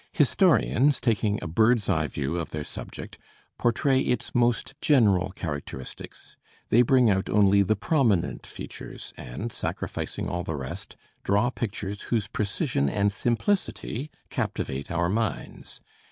Historians, taking a bird's eye view of their subject, portray its most general characteristics; they bring out only the prominent features, and sacrificing all the rest, draw pictures whose precision and simplicity captivate our minds.